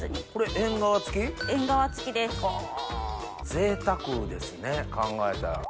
ぜいたくですね考えたら。